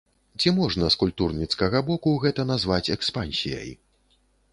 Ці можна з культурніцкага боку гэта назваць экспансіяй?